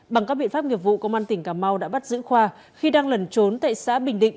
bằng các biện pháp nghiệp vụ công an tỉnh cà mau đã bắt giữ khoa khi đang lẩn trốn tại xã bình định